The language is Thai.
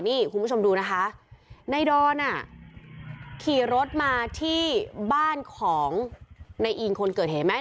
นี่คุณผู้ชมดูนะคะในดอนอ่ะขี่รถมาที่บ้านของนายอิงคนเกิดเหตุไหม